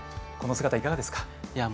この姿、いかがですか？